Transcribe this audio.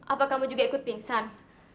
apa kamu juga ikut pingsan